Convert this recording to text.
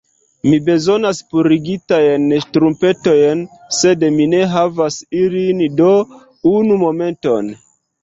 Mi bezonas purigitajn ŝtrumpetojn sed mi ne havas ilin do... unu momenton...